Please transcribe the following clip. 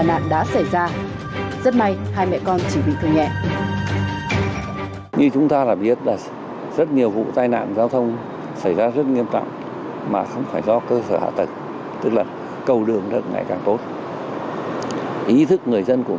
nhưng mà bàn mội giá cũng phải cố gắng